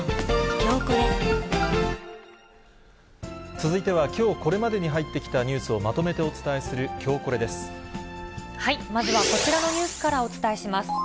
続いては、きょうこれまでに入ってきたニュースをまとめてお伝えする、まずはこちらのニュースからお伝えします。